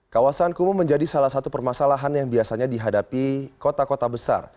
kawasan kumuh menjadi salah satu permasalahan yang biasanya dihadapi kota kota besar